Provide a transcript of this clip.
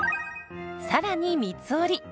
さらに三つ折り。